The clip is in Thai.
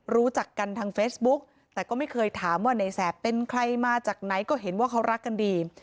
รู้จักกันทางเฟซบุ๊กแต่ก็ไม่เคยถามว่าในแสบเป็นใครมาจากไหนก็เห็นว่าเขารักกันดี